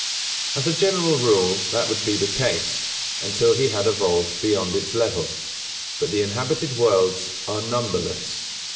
As a general rule that would be the case, until he had evolved beyond its level; but the inhabited worlds are numberless.